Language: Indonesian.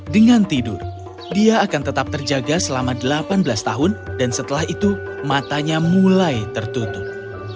dengan tidur dia akan tetap terjaga selama delapan belas tahun dan setelah itu matanya mulai tertutup